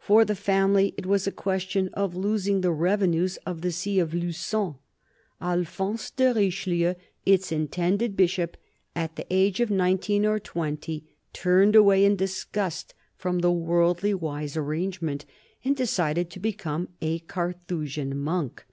For the family, it was a question of losing the revenues of the see of LuQon. Alphonse de Richelieu, its intended Bishop, at the age of nineteen or twenty, turned away in disgust from the worldly wise arrangement, and decided to become a Carthusian monk.